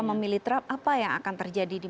memilih trump apa yang akan terjadi di